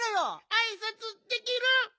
あいさつできる！